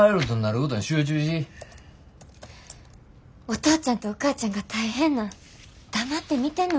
お父ちゃんとお母ちゃんが大変なん黙って見てんのは嫌やねん。